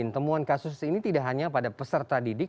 temuan kasus ini tidak hanya pada peserta didik